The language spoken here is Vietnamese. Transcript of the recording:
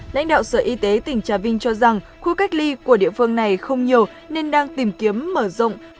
lãnh đạo sở y tế tỉnh trà vinh cho rằng khu cách ly của địa phương này không nhiều nên đang tìm kiếm mở rộng